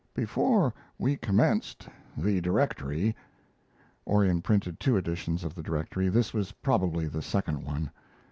Before we commenced the Directory, [Orion printed two editions of the directory. This was probably the second one.